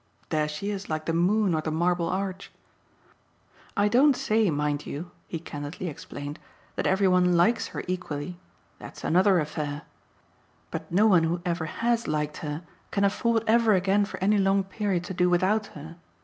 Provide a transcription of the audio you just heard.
There she is, like the moon or the Marble Arch. I don't say, mind you," he candidly explained, "that every one LIKES her equally: that's another affair. But no one who ever HAS liked her can afford ever again for any long period to do without her.